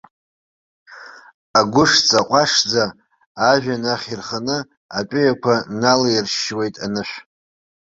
Агәышҵа ҟәашӡа ажәҩан ахь ирханы, атәыҩақәа налаиршьшьуеит анышә.